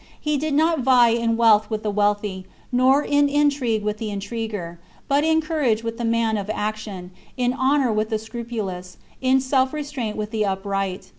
He did not vie in wealth with the wealthy, nor in intrigue with the intriguer, but in ^courage with the man of action, in honour with the scrupulous, in self restraint with the upright.